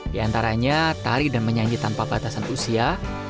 di antaranya tari dan menyanyi tanpa batasan usia